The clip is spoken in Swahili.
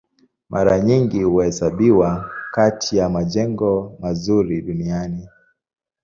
Mara nyingi huhesabiwa kati ya majengo mazuri duniani.